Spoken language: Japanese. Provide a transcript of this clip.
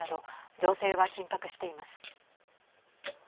情勢は緊迫しています。